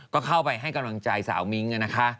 ก็เข้าไปให้กำลังใจสาวมิ้งนะคะ